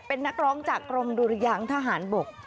เป็นนักร้องจากกรมดุรยางทหารบก